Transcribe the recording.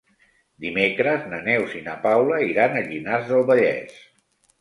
Dimecres na Neus i na Paula iran a Llinars del Vallès.